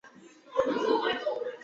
彭抗以其女胜娘嫁许逊之子。